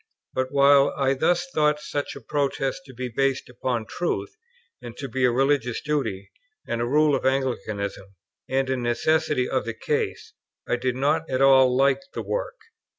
But while I thus thought such a protest to be based upon truth, and to be a religious duty, and a rule of Anglicanism, and a necessity of the case, I did not at all like the work.